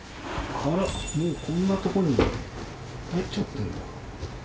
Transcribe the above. あらこんなとこに入っちゃってる。